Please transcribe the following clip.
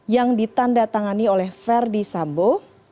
yang ditanda tangani oleh verdi sambo